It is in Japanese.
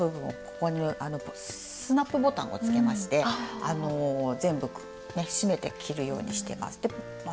ここにスナップボタンをつけまして全部閉めて着るようにしてます。